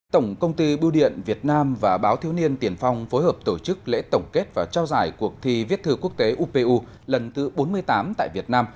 tổng công ty bưu điện việt nam và báo thiếu niên tiền phong phối hợp tổ chức lễ tổng kết và trao giải cuộc thi viết thư quốc tế upu lần thứ bốn mươi tám tại việt nam